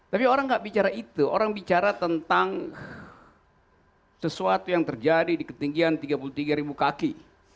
tapi orang tidak bicara itu orang bicara tentang sesuatu yang terjadi di ketinggian tiga puluh tiga kaki